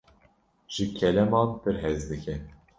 Ji keleman pir hez dike.